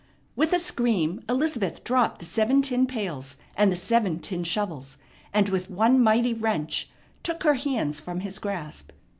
With a scream Elizabeth dropped the seven tin pails and the seven tin shovels, and with one mighty wrench took her hands from his grasp.